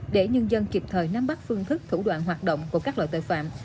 để nhân dân kịp thời nắm bắt phương thức thủ đoạn hoạt động của các loại tội phạm